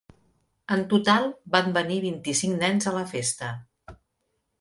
En total van venir vint-i-cinc nens a la festa.